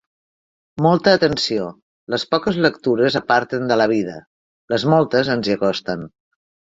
Molta atenció: les poques lectures aparten de la vida; les moltes ens hi acosten.